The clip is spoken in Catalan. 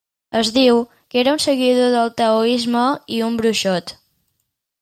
Es diu que era un seguidor del Taoisme i un bruixot.